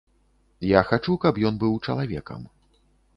Я хачу, каб ён быў чалавекам.